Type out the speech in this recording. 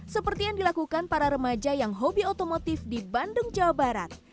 seperti yang dilakukan para remaja yang hobi otomotif di bandung jawa barat